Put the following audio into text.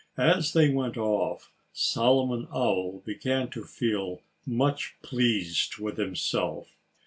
As they went off, Solomon Owl began to feel much pleased with himself.